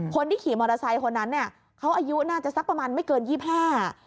คนที่ขี่มอเตอร์ไซค์คนนั้นเนี่ยเขาอายุน่าจะสักประมาณไม่เกินยี่ห้า